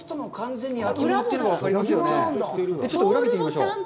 ちょっと裏を見てみましょう。